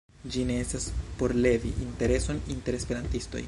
Ĝi ne estas por levi intereson inter Esperantistoj.